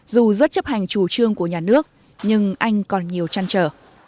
dù rất chấp hành chủ trương của nhà nước nhưng anh còn nhiều chăn trở